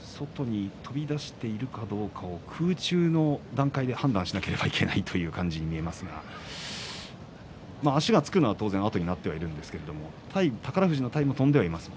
外に飛び出しているかどうか空中の段階で判断しなければいけないということになりますが足がつくのは当然あとになっているんですが、宝富士の体も飛んでいます。